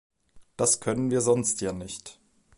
Das können wir sonst ja nicht.